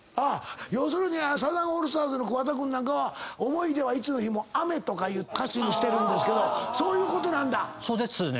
要するにサザンオールスターズの桑田君なんかは。とかいう歌詞にしてるんですけどそういうことなんだ。